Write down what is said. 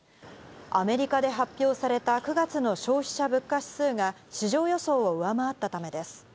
アメリカで発表された９月の消費者物価指数が市場予想を上回ったためです。